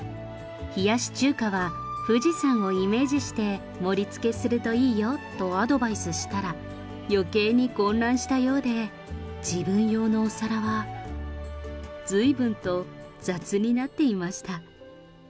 冷やし中華は富士山をイメージして盛りつけするといいよとアドバイスしたら、よけいに混乱したようで、自分用のお皿は、ずいぶんと雑になっていました。